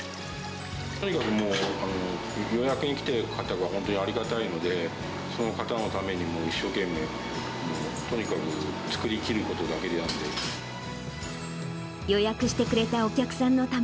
とにかくもう、予約に来てくれた方が本当にありがたいので、その方のためにも一生懸命、もう、とにかく作りきることだけなので。